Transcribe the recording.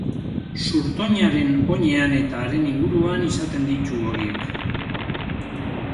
Zurtoinaren oinean eta haren inguruan izaten ditu horiek.